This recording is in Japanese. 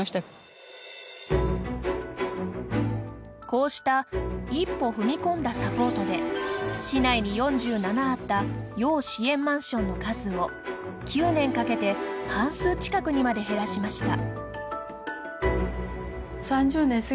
こうした一歩踏み込んだサポートで市内に４７あった要支援マンションの数を９年かけて半数近くにまで減らしました。